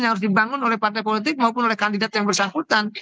yang harus dibangun oleh partai politik maupun oleh kandidat yang bersangkutan